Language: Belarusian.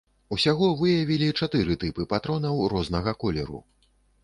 Усяго выявілі чатыры тыпы патронаў рознага колеру.